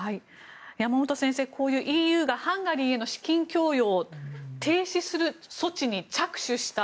山本先生、こういうＥＵがハンガリーへの資金供与を停止する措置に着手した。